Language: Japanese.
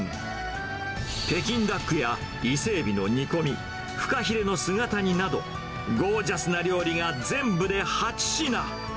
北京ダックや伊勢エビの煮込み、フカヒレの姿煮など、ゴージャスな料理が全部で８品。